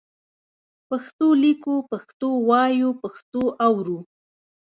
پښتو لیکو، پښتو وایو، پښتو اورو.